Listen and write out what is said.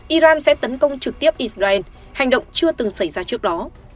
iran sẽ tấn công trực tiếp israel hành động chưa từng xảy ra trước đó